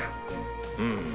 うん。